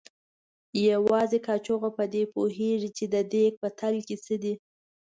یوازې کاچوغه په دې پوهېږي چې د دیګ په تل کې څه دي.